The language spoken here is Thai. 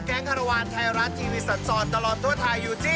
คารวาลไทยรัฐทีวีสันจรตลอดทั่วไทยอยู่ที่